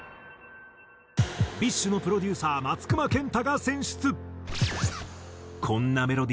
ＢｉＳＨのプロデューサー松隈ケンタが選出。